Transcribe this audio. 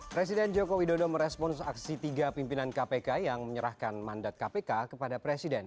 presiden joko widodo merespons aksi tiga pimpinan kpk yang menyerahkan mandat kpk kepada presiden